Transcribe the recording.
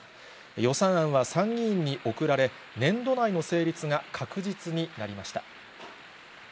予算案は参議院に送られ、年度内の成立が確実になりました。